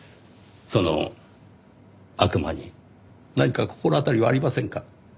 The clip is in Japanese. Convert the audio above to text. その悪魔に何か心当たりはありませんか？